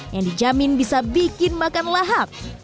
yang dijamin bisa bikin makan lahap